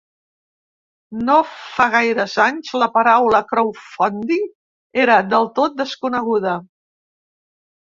No fa gaires anys la paraula ‘crowdfunding’ era del tot desconeguda.